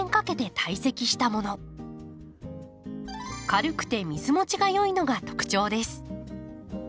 軽くて水もちが良いのが特徴です。